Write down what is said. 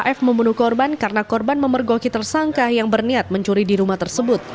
f membunuh korban karena korban memergoki tersangka yang berniat mencuri di rumah tersebut